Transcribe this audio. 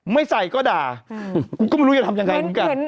ไม่ใส่ก็ด่ากูก็ไม่รู้จะทำยังไงเหมือนกัน